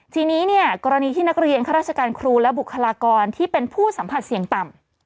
ทีนี้เนี่ยกรณีที่นักเรียนข้าราชการครูและบุคลากรที่เป็นผู้สัมผัสเสี่ยงต่ำ